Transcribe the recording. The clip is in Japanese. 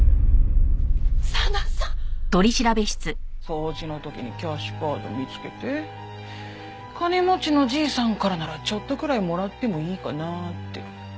佐奈さん！？掃除の時にキャッシュカード見つけて金持ちのじいさんからならちょっとくらいもらってもいいかなって。